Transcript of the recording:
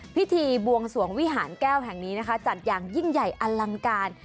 พิธีบวงสวงวิหารแก้วแห่งนี้นะคะจัดอย่างยิ่งใหญ่อลังการ